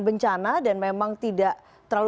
bencana dan memang tidak terlalu